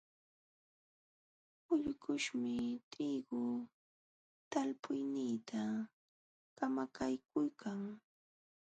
Kullkuśhmi triigu talpuyniita kamakaykuykan.